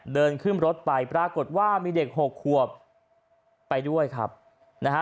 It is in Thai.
เดินขึ้นรถไปปรากฏว่ามีเด็กหกขวบไปด้วยครับนะฮะ